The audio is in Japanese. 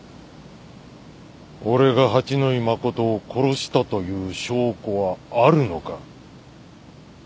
俺が八野衣真を殺したという証拠はあるのか？